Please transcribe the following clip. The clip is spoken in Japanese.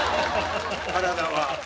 体は。